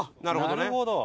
なるほどね。